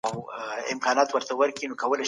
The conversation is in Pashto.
لويه جرګه د بېلابېلو مذهبونو استازي هم لري.